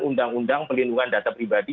undang undang pelindungan data pribadi